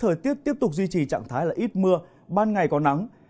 thời tiết tiếp tục duy trì trạng thái là ít mưa ban ngày có nắng